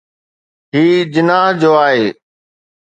هي جناح جو آهي.